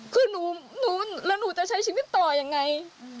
คือแล้วหนูจะใช้ชีวิตต่อยังไง